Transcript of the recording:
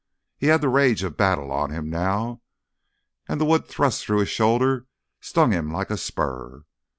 He had the rage of battle on him now, and the wood thrust through his shoulder stung him like a spur.